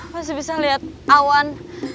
masih bisa liat awan